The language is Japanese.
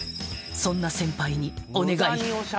そんな先輩にお願い